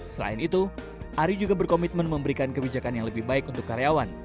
selain itu ari juga berkomitmen memberikan kebijakan yang lebih baik untuk karyawan